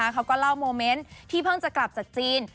เขาก็เล่าโมเมนต์ที่เพิ่งจะกลับจากจีน